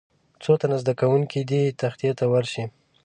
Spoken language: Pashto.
څو تنه زده کوونکي دې تختې ته ورشي.